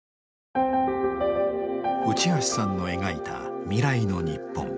内橋さんの描いた未来の日本。